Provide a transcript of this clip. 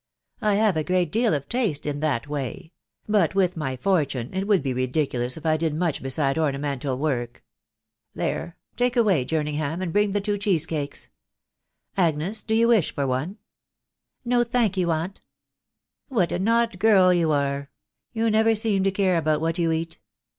I have a great deal ,of taste in that way ; but with my fortune it would be ridiculous if I did much beside ornamental work There .... Take away, Jerning ham, and bring the two cheesecakes Agnes, do yc# wish for one ?'" No, thank you, aunt." " What an odd girl you are !...• You never seem to care about what you eat.